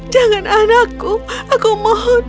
jangan anakku aku mohon